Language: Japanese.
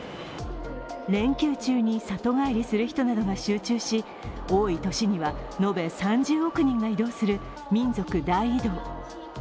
連休中に里帰りする人などが集中し、多い年には延べ３０億人が移動する民族大移動。